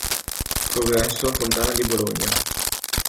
Progresso Fontana di Bologna.